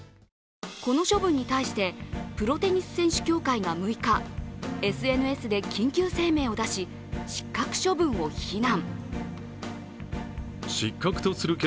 この処分に対してプロテニス選手協会が６日、ＳＮＳで緊急声明を出し、失格処分を非難。